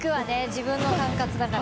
自分の管轄だから。